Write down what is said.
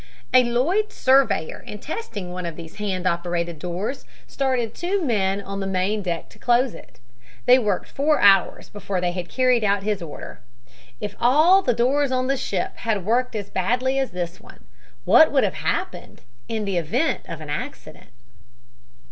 "A Lloyds surveyor in testing one of these hand operated doors started two men on the main deck to close it. They worked four hours before they had carried out his order. If all the doors on the ship had worked as badly as this one, what would have happened in event of accident?"